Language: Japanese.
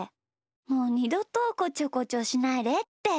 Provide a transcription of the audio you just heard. もうにどとこちょこちょしないでって。